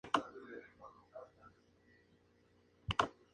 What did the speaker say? Luego acepta el trato y se va en el auto deportivo hacia Calgary.